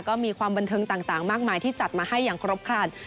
ก็มีความบันเทิงต่างมากมายที่จัดมาให้อย่างครบครัน